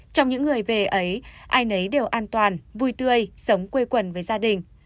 trong những người về ấy ai nấy đều an toàn vui tươi sống quê quần với gia đình